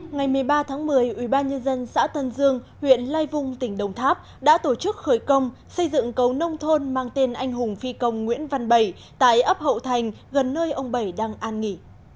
ngày một mươi ba tháng một mươi ubnd xã tân dương huyện lai vung tỉnh đồng tháp đã tổ chức khởi công xây dựng cầu nông thôn mang tên anh hùng phi công nguyễn văn bảy tại ấp hậu thành gần nơi ông bảy đang an nghỉ